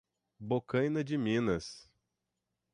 Bocaina de Minas